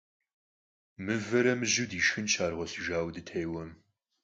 Мывэрэ мыжьэу дишхынщ, ар гъуэлъыжауэ дытеуэмэ.